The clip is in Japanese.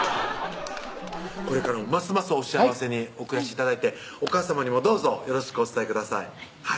これからもますますお幸せにお暮らし頂いてお母さまにもどうぞよろしくお伝えください